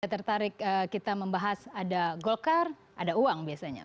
saya tertarik kita membahas ada golkar ada uang biasanya